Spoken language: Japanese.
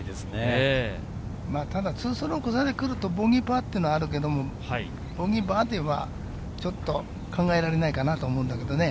ただ２ストローク差で来るとボギーパットはあるけれど、ボギー、バーディーはちょっと考えられないかなと思うんだけれどね。